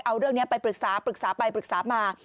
เอาเรื่องนี้ไปปรึกษาปรึกษาไปปรึกษามา